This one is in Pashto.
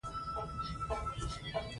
د موټرو د ټیرونو غږونه هم اوریدل کیږي